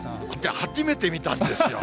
初めて見たんですよ。